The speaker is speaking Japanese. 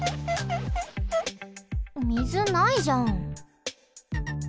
みずないじゃん。